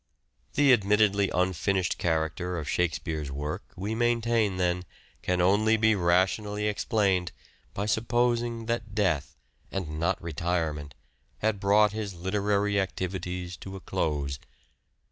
The admittedly un POSTHUMOUS CONSIDERATIONS 409 finished character of Shakespeare's work we maintain, then, can only be rationally explained by supposing that death, and not retirement, had brought his literary activities to a close.